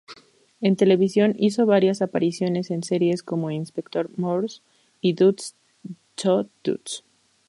En televisión hizo varias apariciones en series como "Inspector Morse" y "Dust to Dust".